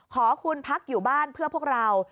ขอคุณพักอยู่บ้านเพื่อพวกเรา